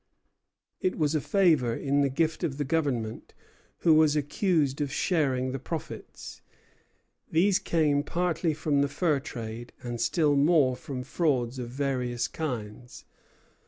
It was a favor in the gift of the Governor, who was accused of sharing the profits. These came partly from the fur trade, and still more from frauds of various kinds.